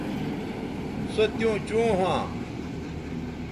سو تیوں چوں ھواں